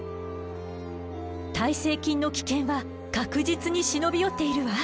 耐性菌の危険は確実に忍び寄っているわ。